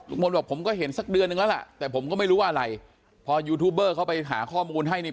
มนต์บอกผมก็เห็นสักเดือนนึงแล้วล่ะแต่ผมก็ไม่รู้อะไรพอยูทูบเบอร์เขาไปหาข้อมูลให้นี่